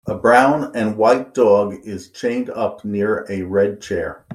A brown and white dog is chained up near a red chair.